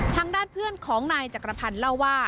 ทางด้านเพื่อนของนายจักรพันธ์เล่าว่า